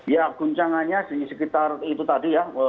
ya guncangannya di sekitar itu tadi ya